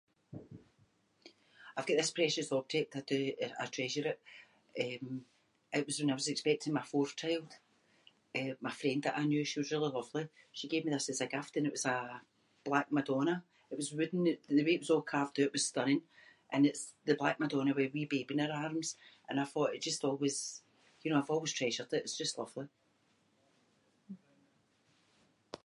I’ve got this precious object- I do- I treasure it. Um, it was when I was expecting my fourth child, eh, my friend that I knew, she was really lovely, she gave me this as a gift and it was a Black Madonna. It was wooden, the- the way it was a' carved oot was stunning. And it’s the Black Madonna with her wee baby in her arms, and I thought- it just always- you know, I’ve always treasured it. It’s just lovely.